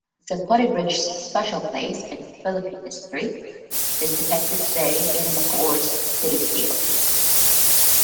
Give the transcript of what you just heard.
Zapote Bridge's special place in Philippine history is depicted today in Bacoor's city seal.